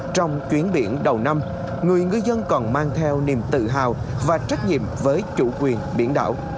trong chuyến biển đầu năm người ngư dân còn mang theo niềm tự hào và trách nhiệm với chủ quyền biển đảo